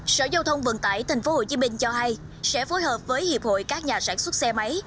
sở giao thông vận tải thành phố hồ chí minh cho hay sẽ phối hợp với hiệp hội các nhà sản xuất xe máy